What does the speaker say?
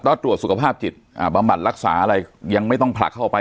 ก็ตรวจสุขภาพจิตบำบัดรักษาอะไรยังไม่ต้องผลักเข้าไป